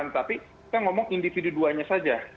tapi kita ngomong individu duanya saja